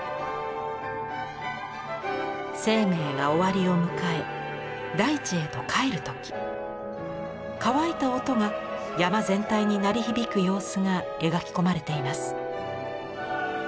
生命が終わりを迎え大地へと還る時乾いた音が山全体に鳴りひびく様子が描き込まれています。